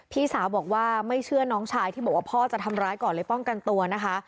พี่สาวบอกว่าไม่เชื่อน้องชายที่บอกว่าพ่อจะทำร้ายก่อนเลยป้องกันตัวนะคะ